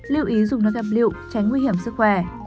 một mươi bốn liệu ý dùng nước ép lựu tránh nguy hiểm sức khỏe